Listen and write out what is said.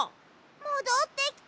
もどってきた。